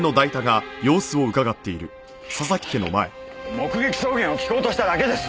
目撃証言を聞こうとしただけです！